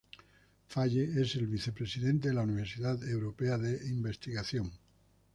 Faye es el vicepresidente de la Universidad Europea de Investigación.